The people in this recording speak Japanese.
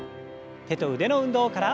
手と腕の運動から。